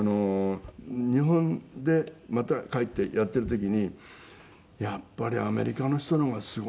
日本でまた帰ってやっている時にやっぱりアメリカの人の方がすごいよなって。